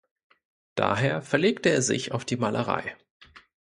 Daher verlegte er sich auf die Malerei.